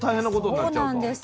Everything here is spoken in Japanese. そうなんです。